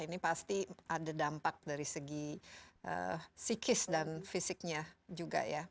ini pasti ada dampak dari segi psikis dan fisiknya juga ya